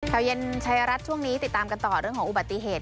ข่าวเย็นไทยรัฐช่วงนี้ติดตามกันต่อเรื่องของอุบัติเหตุ